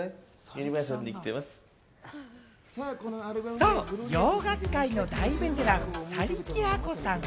そう、洋楽界の大ベテラン・去木アコさん。